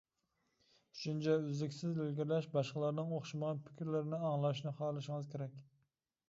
ئۈچىنچى، ئۈزلۈكسىز ئىلگىرىلەش باشقىلارنىڭ ئوخشىمىغان پىكىرلىرىنى ئاڭلاشنى خالىشىڭىز كېرەك.